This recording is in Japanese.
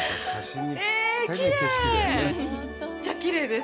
めっちゃきれいです。